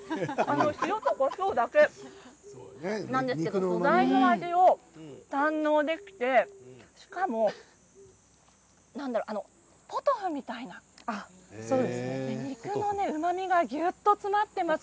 塩とこしょうだけなんですけど素材の味を堪能できて、しかもポトフみたいな肉のうまみがぎゅっと詰まっています。